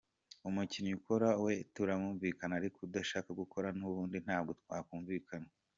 Umukinnyi ukora we turumvikana ariko udashaka gukora n’ubundi ntabwo twakumvikana.